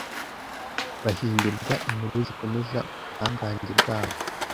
bahimbirwa inkuru zikomeza ubuhangange bwabo